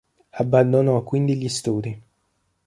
Abbandonò quindi gli studi.